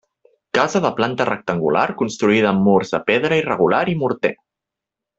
Casa de planta rectangular construïda amb murs de pedra irregular i morter.